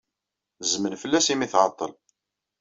Zzmen fell-as imi ay tɛeḍḍel.